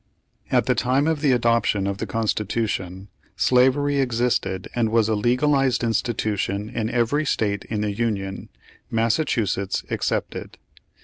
At the time of the adoption of the Constitution, slavery existed and was a legalized institution in every state in the Union, Massachusetts excepted.